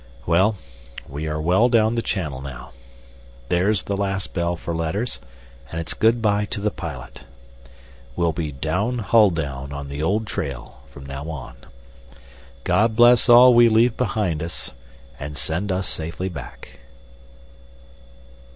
Well, we are well down Channel now. There's the last bell for letters, and it's good bye to the pilot. We'll be "down, hull down, on the old trail" from now on. God bless all we leave behind us, and send us safely back.